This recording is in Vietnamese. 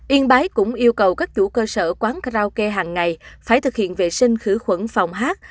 yên bái cũng yêu cầu các chủ cơ sở quán karaoke hàng ngày phải thực hiện vệ sinh khử khuẩn phòng hát